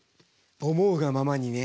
思うがままにね。